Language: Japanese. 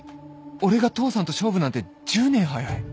俺が父さんと勝負なんて１０年早い